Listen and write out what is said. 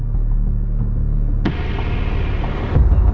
tentu saja yang terakhir